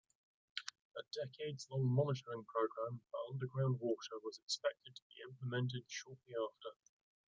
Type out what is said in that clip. A decades-long monitoring program for underground water was expected to be implemented shortly after.